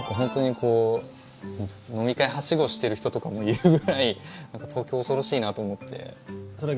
飲み会はしごしている人とかもいるくらい東京、恐ろしいなと思って。